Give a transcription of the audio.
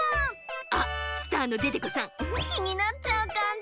あっスターのデテコさんきになっちゃうかんじ？